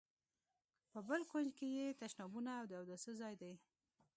په بل کونج کې یې تشنابونه او د اوداسه ځای دی.